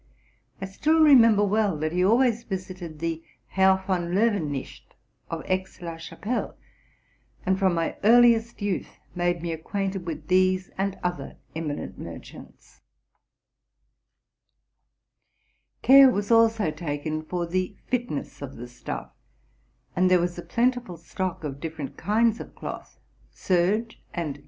I still remember well that he always visited the Herrn von Lowenicht, of Aix la Cha pelle, and from my earliest youth made me acquainted with these and other eminent merchants. Care was also taken for the fitness of the stuff: and there was a plentiful stock of different kinds of cloth, serge, and 3 Literally, '' to strike two flies with one flapper."